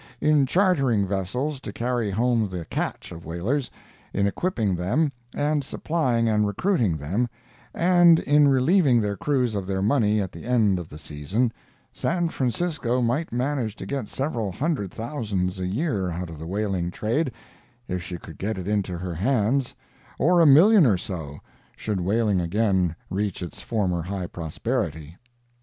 In chartering vessels to carry home the "catch" of whalers; in equipping them, and supplying and recruiting them—and in relieving their crews of their money at the end of the season, San Francisco might manage to get several hundred thousands a year out of the whaling trade if she could get it into her hands, or a million or so, should whaling again reach its former high prosperity.